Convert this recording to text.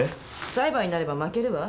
裁判になれば負けるわ。